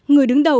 người đứng đầu